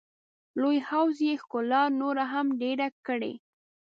لوی حوض یې ښکلا نوره هم ډېره کړې.